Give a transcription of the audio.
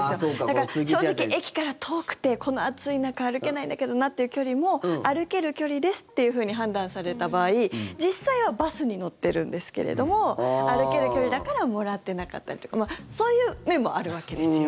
正直、駅から遠くてこの暑い中歩けないんだけどなという距離も歩ける距離ですというふうに判断された場合実際はバスに乗ってるんですけれども歩ける距離だからもらってなかったりとかそういう面もあるわけですよ。